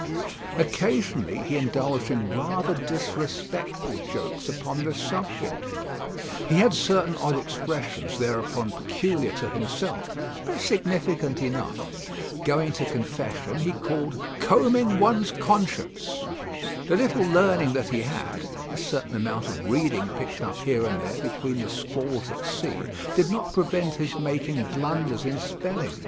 Occasionally he indulged in rather disrespectful jokes upon this subject. He had certain odd expressions thereupon peculiar to himself, but significant enough. Going to confession he called "combing one's conscience." The little learning that he had a certain amount of reading picked up here and there between the squalls at sea did not prevent his making blunders in spelling.